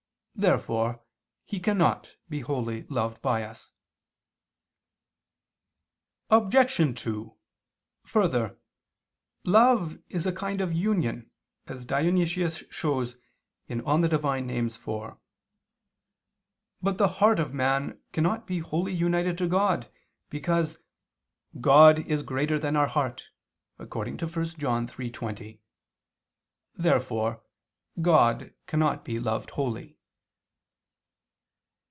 Therefore He cannot be wholly loved by us. Obj. 2: Further, love is a kind of union, as Dionysius shows (Div. Nom. iv). But the heart of man cannot be wholly united to God, because "God is greater than our heart" (1 John 3:20). Therefore God cannot be loved wholly.